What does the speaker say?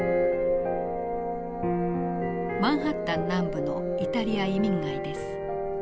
マンハッタン南部のイタリア移民街です。